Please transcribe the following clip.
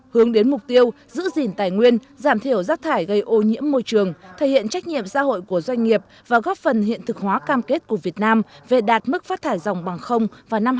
hướng đến mục tiêu giữ gìn tài nguyên giảm thiểu rác thải gây ô nhiễm môi trường thể hiện trách nhiệm xã hội của doanh nghiệp và góp phần hiện thực hóa cam kết của việt nam về đạt mức phát thải dòng bằng không vào năm hai nghìn ba mươi